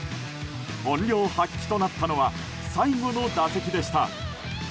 本領発揮となったのは最後の打席でした。